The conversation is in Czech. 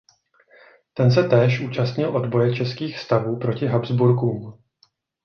Ten se též účastnil odboje českých stavů proti Habsburkům.